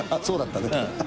そうだったね。